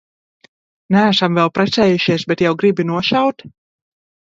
Neesam vēl precējušies, bet jau gribi nošaut?